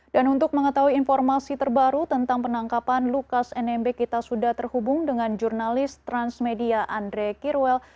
untuk mengetahui informasi terbaru tentang penangkapan lukas nmb kita sudah terhubung dengan jurnalis transmedia andre kirwel